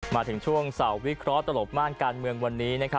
มาถึงช่วงเสาร์วิเคราะห์ตลบม่านการเมืองวันนี้